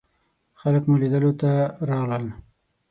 خلک مو لیدلو ته راغلل.